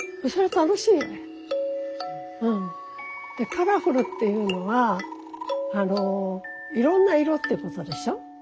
カラフルっていうのはいろんな色ってことでしょ。